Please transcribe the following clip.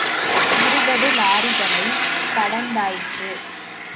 இருபது லாரிகளைக் கடந்தாயிற்று.